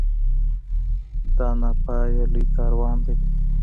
دا نا پایه لوی کاروان دی